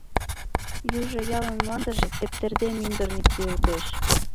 Южо ялын мландыже тептерде мӱндырнӧ кийылтеш.